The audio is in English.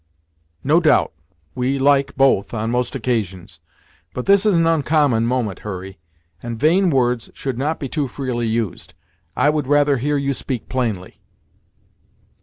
"No doubt we like both, on most occasions, but this is an uncommon moment, Hurry, and vain words should not be too freely used. I would rather hear you speak plainly."